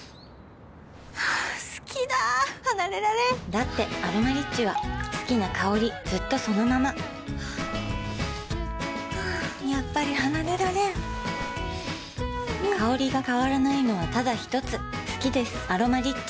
好きだ離れられんだって「アロマリッチ」は好きな香りずっとそのままやっぱり離れられん香りが変わらないのはただひとつ好きです「アロマリッチ」